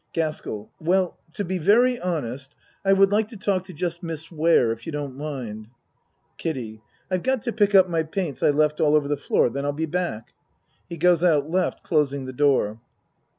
GASKELL Well to be very honest, I would like to talk to just Miss Ware if you don't mind. KIDDIE I've got to pick up my paints I left all over the floor then I'll be back. (He goes out L. closing the door.)